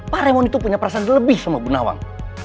pak raymond itu punya perasaan lebih sama bu nawang